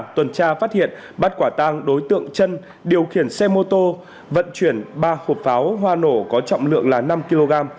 tuần tra phát hiện bắt quả tang đối tượng chân điều khiển xe mô tô vận chuyển ba hộp pháo hoa nổ có trọng lượng là năm kg